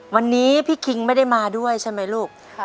วันนี้พี่คิงไม่ได้มาด้วยใช่ไหมลูก